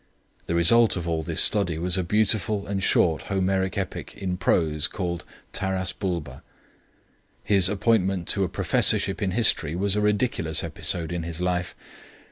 The result of all this study was a beautiful and short Homeric epic in prose, called Taras Bulba. His appointment to a professorship in history was a ridiculous episode in his life.